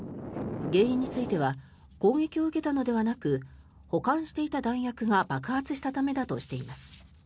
原因については攻撃を受けたのではなく保管していた弾薬が爆発したためだとしています。